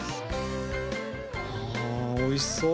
あおいしそう。